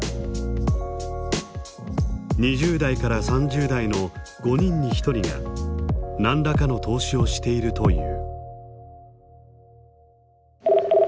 ２０代から３０代の５人に１人が何らかの投資をしているという。